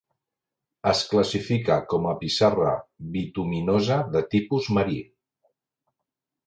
Es classifica com a pissarra bituminosa de tipus marí.